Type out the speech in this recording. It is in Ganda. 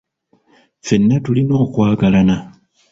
Ffenna tulina okwagalana.